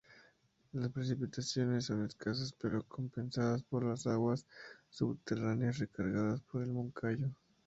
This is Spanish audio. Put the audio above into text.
Las precipitaciones son escasas pero compensadas por las aguas subterráneas recargadas por el Moncayo.